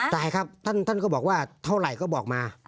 ตายครับท่านก็บอกว่าเท่าไหร่ก็บอกมา